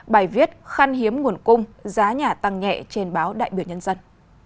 bài viết khăn hiếm nguồn cung giá nhà tăng nhẹ trên báo đại biểu nhân dân